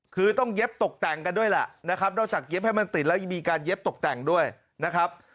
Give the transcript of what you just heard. คือต้องเย็บตกแต่งกันด้วยแหละนะครับนอกจากเย็บให้มันติดแล้วยังมีการเย็บตกแต่งด้วยนะครับ